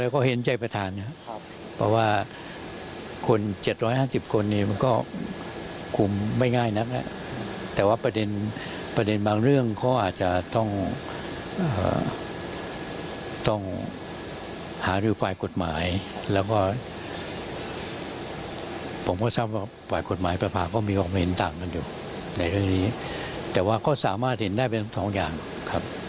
ก็มีความผิดต่างถึงอยู่ในตัวนี้แต่ว่าเขาสามารถเร็งได้เป็นเอา๒อย่างนะครับ